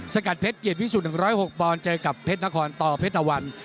สกัดเพชรเกียรติวิสูจน์๑๐๖บอลเจอกับเพชรทะคอนต่อเพชรอวรรดิ